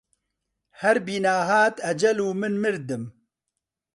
هەر بینا هات ئەجەل و من مردم